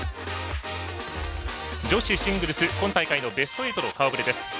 女子シングルス、今大会のベスト８の顔ぶれです。